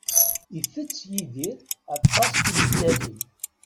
Itett Yidir aṭas timellalin.